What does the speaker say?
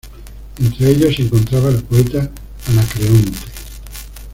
Entre ellos se encontraba el poeta Anacreonte.